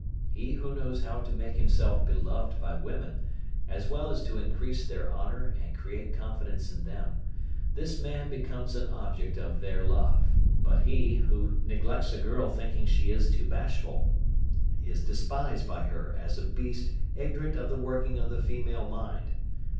He who knows how to make himself beloved by women, as well as to increase their honour and create confidence in them, this man becomes an object of their love. But he, who neglects a girl thinking she is too bashful, is despised by her as a beast ignorant of the working of the female mind.